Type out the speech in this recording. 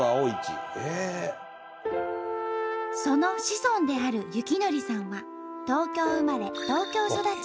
その子孫である幸紀さんは東京生まれ東京育ち。